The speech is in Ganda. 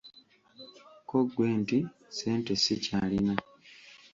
Ko ggwe nti Ssente sikyalina.